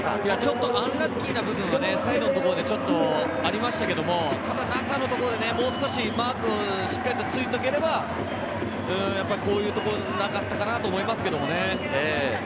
アンラッキーな部分はサイドでありましたけれども、中のところでもう少しうまくマークをついておけば、こういうことはなかったかなと思いますけどね。